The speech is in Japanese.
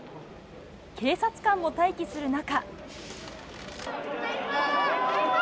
警察官も待機する中。